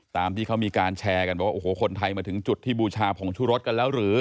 ตามที่เขามีการแชร์กันบอกว่าโอ้โหคนไทยมาถึงจุดที่บูชาผงชุรสกันแล้วหรือ